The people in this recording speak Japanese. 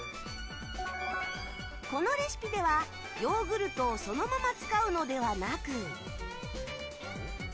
このレシピではヨーグルトをそのまま使うのではなく。